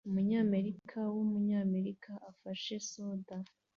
umunyamerika wumunyamerika afashe soda